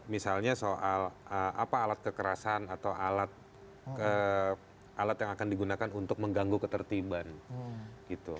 misalnya soal apa alat kekerasan atau alat yang akan digunakan untuk mengganggu ketertiban gitu